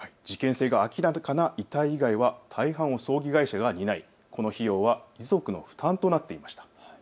事件性が明らかな遺体以外は大半を葬儀会社が担いこの費用は遺族の負担となっていました。